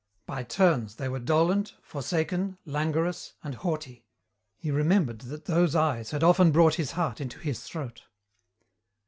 By turns they were dolent, forsaken, languorous, and haughty. He remembered that those eyes had often brought his heart into his throat!